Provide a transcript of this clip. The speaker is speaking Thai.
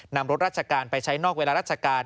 นำรถราชการไปใช้นอกเวลาราชการ